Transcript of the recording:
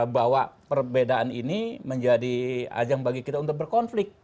bahwa perbedaan ini menjadi ajang bagi kita untuk berkonflik